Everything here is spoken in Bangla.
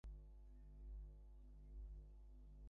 নিজের ঘরে দরজা-জানালা বন্ধ করে বসে থাকতেন।